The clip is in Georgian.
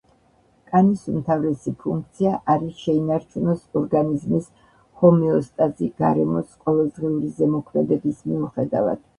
კანის უმთავრესი ფუნქცია არის შეინარჩუნოს ორგანიზმის ჰომეოსტაზი გარემოს ყოველდღიური ზემოქმედების მიუხედავად.